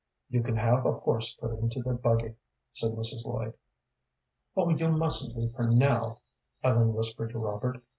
"You can have a horse put into the buggy," said Mrs. Lloyd. "Oh, you mustn't leave her now," Ellen whispered to Robert.